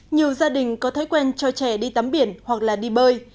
nhiều gia đình có thói quen cho trẻ đi tắm biển hoặc là đi bơi